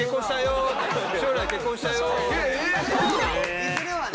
いずれはね。